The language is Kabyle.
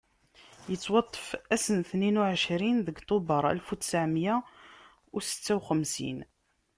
Yettwaṭṭef ass n tniyen uɛecrin deg tubeṛ Alef u ṭṭɛemya u setta u xemsin.